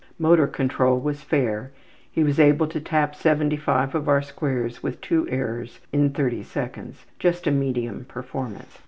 Motor control was fair. He was able to tap 75 of our squares with 2 errors in 30 seconds, just a medium performance.